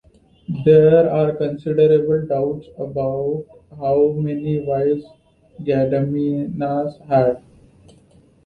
There are considerable doubts about how many wives Gediminas had.